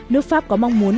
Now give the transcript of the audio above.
nước pháp có mong muốn